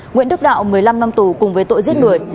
nguyễn đức đạo một mươi năm năm tù cùng với tội giết người